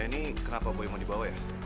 ini kenapa buaya mau dibawa ya